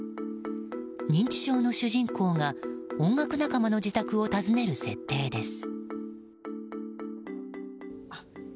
認知症の主人公が音楽仲間の自宅を訪ねる設定です。